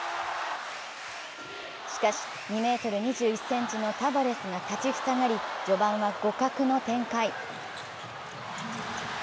しかし２ｍ２１ｃｍのタバレスが立ち塞がり序盤は互角の展開。